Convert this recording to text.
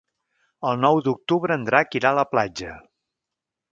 El nou d'octubre en Drac irà a la platja.